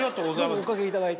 どうぞおかけいただいて。